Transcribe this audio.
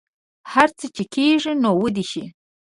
هر څه چې کیږي نو ودې شي